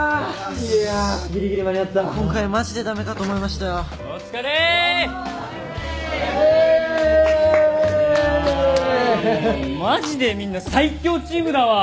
いやぁマジでみんな最強チームだわ！